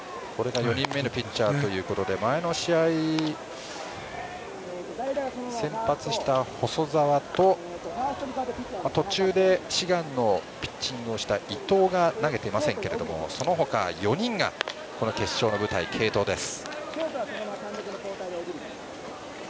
これが４人目のピッチャーということで前の試合、先発した細澤と途中でピッチングをした伊藤が投げていませんがそのほか４人が決勝の舞台継投です。